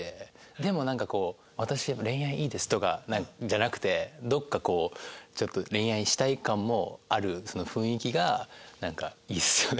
でもなんかこう「私恋愛いいです」とかじゃなくてどこかこうちょっと恋愛したい感もある雰囲気がなんかいいっすよね。